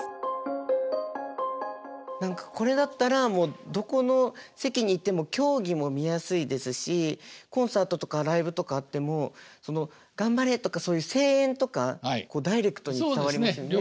何かこれだったらどこの席にいても競技も見やすいですしコンサートとかライブとかあっても頑張れとかそういう声援とかダイレクトに伝わりますよね。